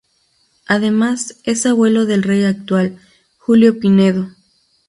Además es abuelo del Rey actual Julio Pinedo.